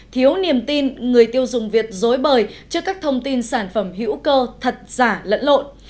thiếu niềm tin người tiêu dùng việt dối bời trước các thông tin sản phẩm hữu cơ thật giả lẫn lộn